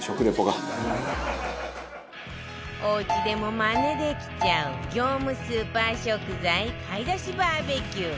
おうちでもマネできちゃう業務スーパー食材買い出しバーベキュー